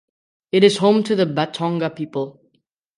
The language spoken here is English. It is home to the Batonga people.